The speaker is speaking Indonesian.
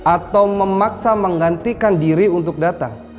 atau memaksa menggantikan diri untuk datang